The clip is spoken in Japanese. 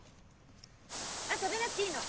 あっ食べなくていいの！